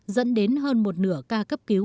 dẫn đến hơn một nửa ca cấp cứu